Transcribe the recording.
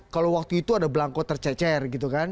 kalau waktu itu ada belangko tercecer gitu kan